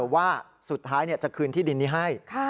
ว่าสุดท้ายจะคืนที่ดินนี้ให้